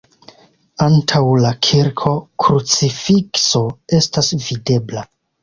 Antaŭ la kirko krucifikso estas videbla.